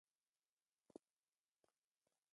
آیا ته په پښتو لیکل او لوستل کولای شې؟